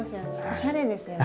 おしゃれですよね。